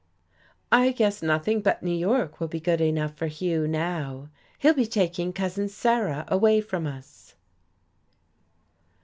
"I guess nothing but New York will be good enough for Hugh now. He'll be taking Cousin Sarah away from us."